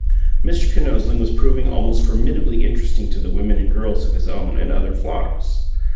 Mr. Kinosling was proving almost formidably interesting to the women and girls of his own and other flocks.